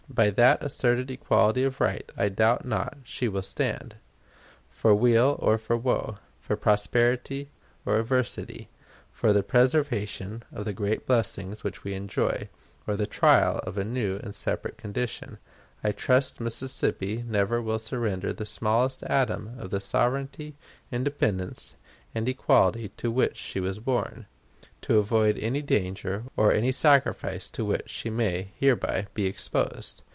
By that asserted equality of right I doubt not she will stand. For weal or for woe, for prosperity or adversity, for the preservation of the great blessings which we enjoy, or the trial of a new and separate condition, I trust Mississippi never will surrender the smallest atom of the sovereignty, independence, and equality, to which she was born, to avoid any danger or any sacrifice to which she may hereby be exposed.